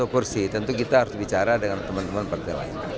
dua puluh kursi tentu kita harus bicara dengan teman teman partai lain